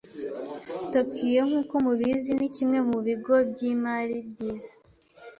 Tokiyo, nkuko mubizi, nikimwe mubigo byimari byisi.